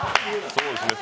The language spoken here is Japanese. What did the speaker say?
そうですね。